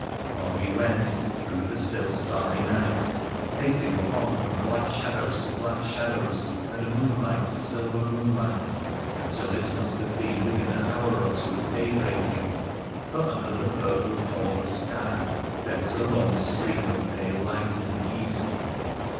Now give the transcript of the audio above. On we went through the still starry night, pacing along from black shadows to black shadows, and moonlight to silver moonlight, until it must have been within an hour or two of day breaking, for under the purple pall of sky there was a long stream of pale light in the east.